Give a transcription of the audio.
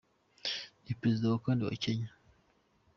Ni Perezida wa kane wa Kenya.